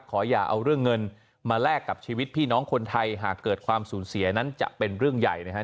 ขออย่าเอาเรื่องเงินมาแลกกับชีวิตพี่น้องคนไทยหากเกิดความสูญเสียนั้นจะเป็นเรื่องใหญ่นะครับ